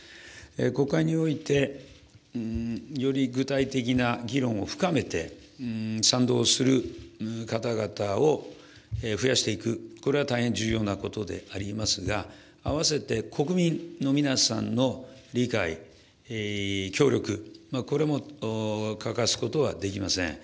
国会において、より具体的な議論を深めて、賛同する方々を増やしていく、これは大変重要なことでありますが、併せて国民の皆さんの理解、協力、これも欠かすことはできません。